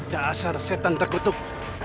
dasar setan terkutup